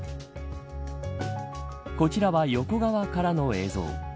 こちらは横側からの映像。